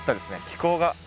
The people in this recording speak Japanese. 気候が。